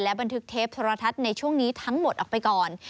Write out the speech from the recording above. บันทึกเทปโทรทัศน์ในช่วงนี้ทั้งหมดออกไปก่อน